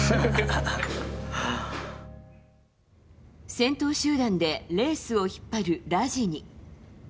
先頭集団でレースを引っ張るラジニ。